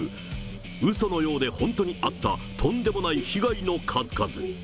うそのようで本当にあったとんでもない被害の数々。